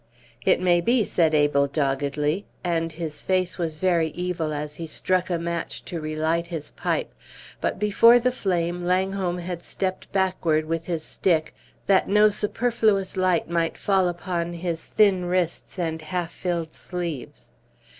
"It may be," said Abel, doggedly. And his face was very evil as he struck a match to relight his pipe; but before the flame Langholm had stepped backward, with his stick, that no superfluous light might fall upon his thin wrists and half filled sleeves.